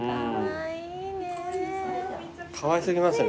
かわい過ぎますね。